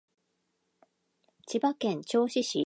千葉県銚子市